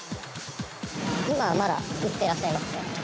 今まだ打ってらっしゃいます